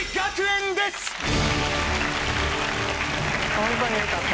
ホントによかった。